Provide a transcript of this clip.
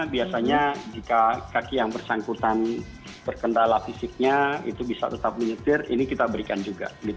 biasanya jika kaki yang bersangkutan terkendala fisiknya itu bisa tetap menyetir ini kita berikan juga